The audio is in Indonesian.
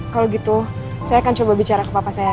kalau gitu saya akan coba bicara ke papa saya